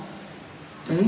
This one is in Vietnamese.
thấy rất là đúng